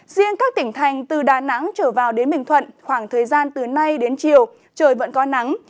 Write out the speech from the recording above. riêng các tỉnh thành từ đà nẵng trở vào đến bình thuận khoảng thời gian từ nay đến chiều trời vẫn có nắng